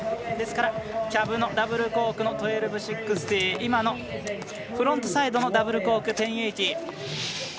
ですから、キャブのダブルコークの１２６０と今のフロントサイドのダブルコーク１０８０。